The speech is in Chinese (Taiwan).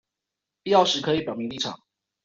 必要時可以表明立場